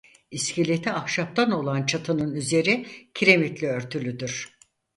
İskeleti ahşaptan olan çatının üzeri kiremitle örtülüdür.